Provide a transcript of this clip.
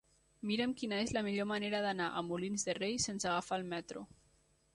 Mira'm quina és la millor manera d'anar a Molins de Rei sense agafar el metro.